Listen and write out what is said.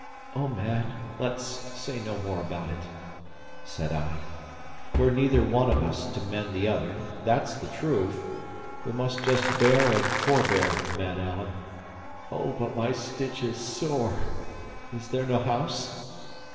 "O man, let's say no more about it!" said I. "We're neither one of us to mend the other that's the truth! We must just bear and forbear, man Alan. O, but my stitch is sore! Is there nae house?"